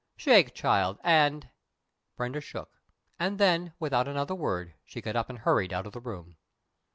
Shake, child, and " Brenda "shook," and then, without another word, she got up and hurried out of the room.